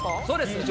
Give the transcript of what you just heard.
そうです。